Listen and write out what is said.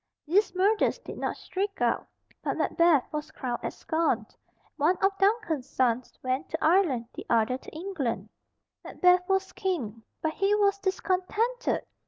These murders did not shriek out, and Macbeth was crowned at Scone. One of Duncan's sons went to Ireland, the other to England. Macbeth was King. But he was discontented.